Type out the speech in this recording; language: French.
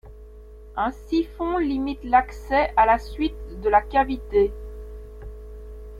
Un siphon limite l'accès à la suite de la cavité.